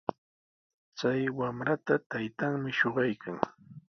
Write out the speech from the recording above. Chay wamrata taytanmi shuqaykan.